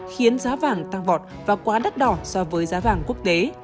khiến giá vàng tăng vọt và quá đắt đỏ so với giá vàng quốc tế